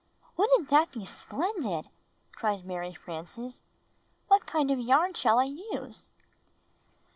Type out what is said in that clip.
''Wouldn't that be splendid!" cried Mary Frances. ''What kind of yarn shall I use?"